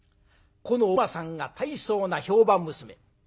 このおくまさんが大層な評判娘。